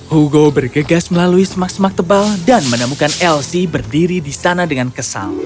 hugo bergegas melalui semak semak tebal dan menemukan elsie berdiri di sana dengan kesal